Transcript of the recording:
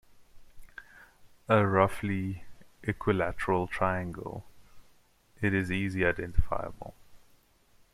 A roughly equilateral triangle, it is easily identifiable.